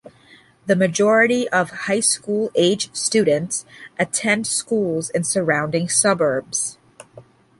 The majority of highschool-aged students attend schools in surrounding suburbs.